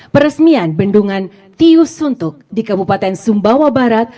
peresmian bendungan tiusuntuk di kabupaten sumbawa barat